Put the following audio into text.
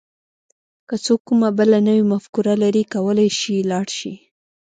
که څوک کومه بله نوې مفکوره لري کولای شي لاړ شي.